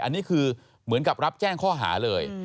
อันนี้คือเหมือนกับรับแจ้งข้อหาเลย